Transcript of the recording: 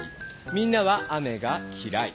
みんなは雨がきらい。